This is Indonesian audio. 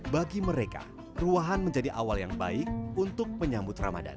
bagi mereka ruahan menjadi awal yang baik untuk menyambut ramadan